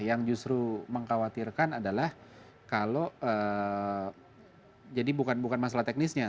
yang justru mengkhawatirkan adalah kalau jadi bukan masalah teknisnya